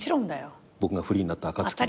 僕がフリーになった暁に。